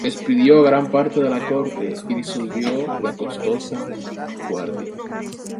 Despidió a gran parte de la corte y disolvió la costosa guardia.